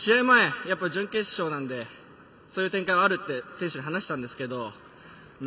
前、準決勝なのでそういう展開はあるって選手に話したんですけど。